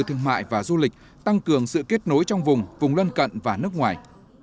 thương mại và du lịch tăng cường sự kết nối trong vùng vùng lân cận và nước ngoài